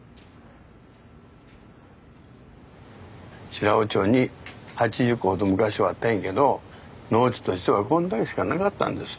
白王町に８０戸ほど昔はあったんやけど農地としてはこんだけしかなかったんです。